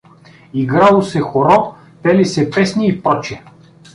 Играло се хоро, пели се песни и пр.